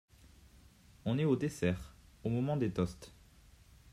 On est au dessert, au moment des toasts.